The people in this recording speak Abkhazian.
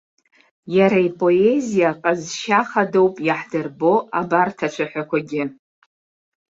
Иара ипоезиа аҟазшьа хадоуп иаҳдырбо абарҭ ацәаҳәақәагьы.